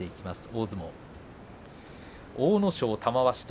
大相撲。